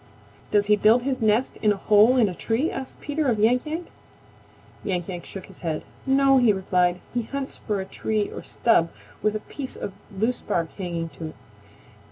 "Does he build his nest in a hole in a tree?" asked Peter of Yank Yank. Yank Yank shook his head. "No," he replied. "He hunts for a tree or stub with a piece of loose bark hanging to it.